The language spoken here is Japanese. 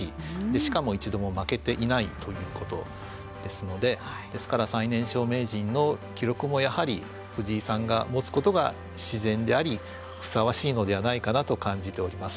しかも一度も負けていないということですのでですから、最年少名人の記録もやはり藤井さんが持つことが自然でありふさわしいのではないかなと感じております。